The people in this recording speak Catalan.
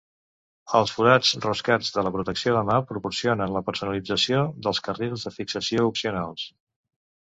Els forats roscats de la protecció de mà proporcionen la personalització dels carrils de fixació opcionals.